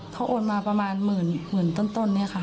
เขาโอนมาประมาณหมื่นต้นเนี่ยค่ะ